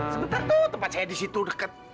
sebentar tuh tempat saya disitu deket